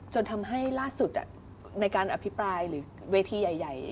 จนทำให้ล่าสุดในการอภิปรายหรือเวทีใหญ่